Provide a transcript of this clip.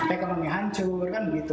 ekonomi hancur kan begitu